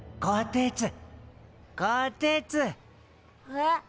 えっ？